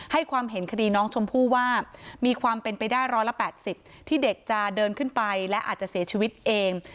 ให้ความเห็นคดีน้องชมพู่ว่ามีความเป็นไปได้๑๘๐ที่เด็กจะเดินขึ้นไปและอาจจะเสียชีวิตเอง